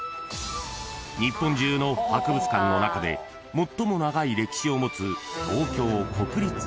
［日本中の博物館の中で最も長い歴史を持つ］